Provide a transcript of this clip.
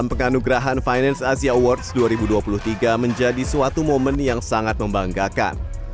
penganugerahan finance asia awards dua ribu dua puluh tiga menjadi suatu momen yang sangat membanggakan